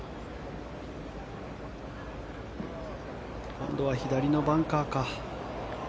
今度は左のバンカーか。